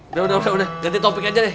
udah udah ganti topik aja deh